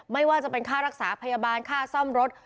ไม่ว่าจะเป็นค่ารักษาพยาบาลค่าซ่อมรถ